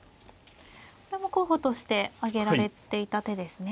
これも候補として挙げられていた手ですね。